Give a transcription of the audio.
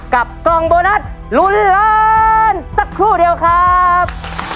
กล่องโบนัสลุ้นล้านสักครู่เดียวครับ